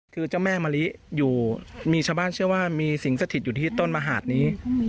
คือเจ้าแม่มะลิอยู่มีชาวบ้านเชื่อว่ามีสิงสถิตอยู่ที่ต้นมหาดนี้